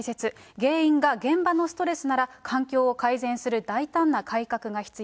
原因が現場のストレスなら、環境を改善する大胆な改革が必要。